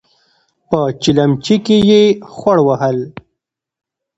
په چلمچي کې يې خوړ وهل.